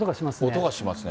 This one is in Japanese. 音がしますね。